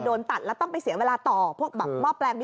โดนตัดแล้วต้องไปเสียเวลาต่อพวกม่อมิเตอร์อะไรพวกนี้